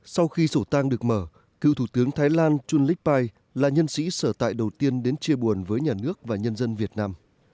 sau khi sổ tang được mở cựu thủ tướng thái lan chun lich pai là nhân sĩ sở tại đầu tiên đến chia buồn với nhà nước và nhân dân việt nam